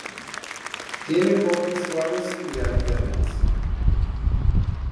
Tienen bordes suaves y alternos.